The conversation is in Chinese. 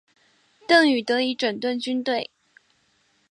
邓禹得以整顿军队。